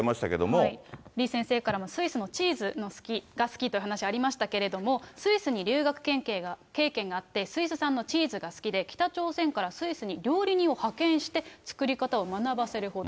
李先生からもスイスのチーズが好きという話ありましたけれども、スイスに留学経験があって、スイス産のチーズが好きで、北朝鮮からスイスに料理人を派遣して、作り方を学ばせるほど。